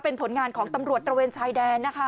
เป็นผลงานของตำรวจตระเวนชายแดนนะคะ